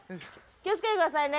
気を付けてくださいね。